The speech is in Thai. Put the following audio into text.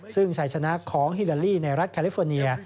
ซึ่งชัยชนะของฮิลาลีในรัฐแคลิฟอร์เนีย